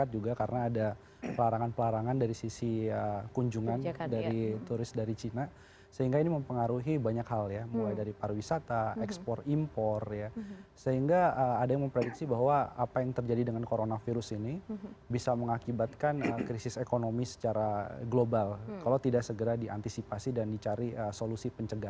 mudah mudahan ada pemerintah di negara allen ruang